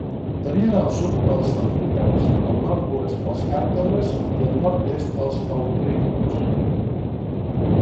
Tenien al sud als celtibers; al nord-oest als càntabres; i al nord-est als autrígons.